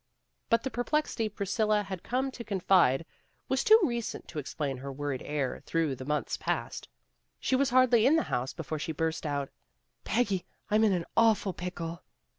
But the perplexity Priscilla had come to confide was too recent to explain her worried air through the months past. She was hardly in the house before she burst out, " Peggy, I'm in an awful pickle."